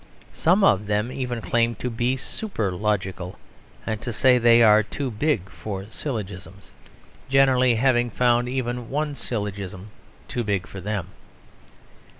Some of them even claim to be super logical; and say they are too big for syllogisms; generally having found even one syllogism too big for them.